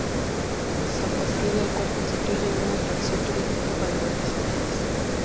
San Pasqual", el cual constituye una atracción turística para los visitantes.